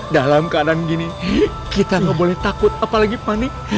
dalam keadaan gini kita gak boleh takut apalagi panik